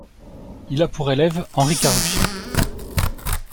Il a pour élève Henri Caruchet.